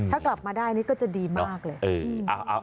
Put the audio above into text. ถ้ากลับมาได้นี่ก็จะดีมากเลย